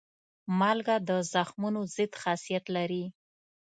مالګه د زخمونو ضد خاصیت لري.